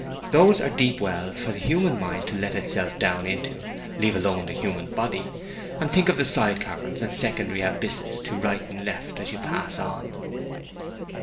Those are deep wells for the human mind to let itself down into, leave alone the human body! and think of the side caverns and secondary abysses to right and left as you pass on!'